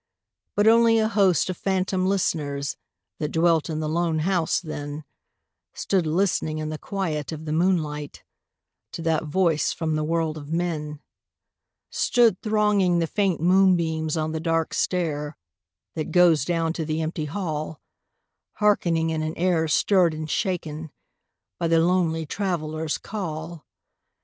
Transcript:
But only a host of phantom listeners That dwelt in the lone house then Stood listening in the quiet of the moonlight To that voice from the world of men: Stood thronging the faint moonbeams on the dark stair That goes down to the empty hall, Hearkening in an air stirred and shaken By the lonely Traveler's call.